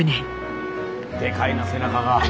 でかいな背中が。